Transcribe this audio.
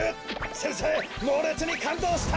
先生もうれつにかんどうした。